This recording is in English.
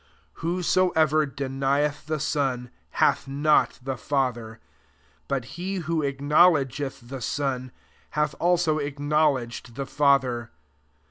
23 Whosoever denieth the Son, hath not the Father: but he who acknowledgeth the Son, hath also acknowledged the Fa ther.